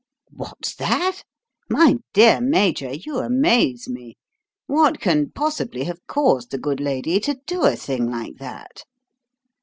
"What's that? My dear Major, you amaze me! What can possibly have caused the good lady to do a thing like that?"